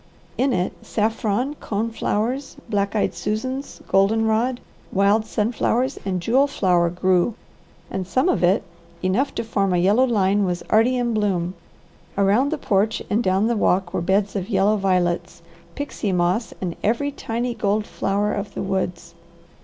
In it saffron, cone flowers, black eyed Susans, golden rod, wild sunflowers, and jewel flower grew, and some of it, enough to form a yellow line, was already in bloom. Around the porch and down the walk were beds of yellow violets, pixie moss, and every tiny gold flower of the woods.